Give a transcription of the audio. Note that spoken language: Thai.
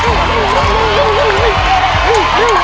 ๕แล้ว๕แล้ว๒แล้วน่าจะพร้อม